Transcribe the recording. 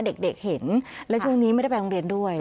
เด็กเห็นและช่วงนี้ไม่ได้ไปโรงเรียนด้วย